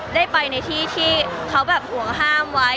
ได้ไปในที่ที่เขาแบบห่วงห้ามไว้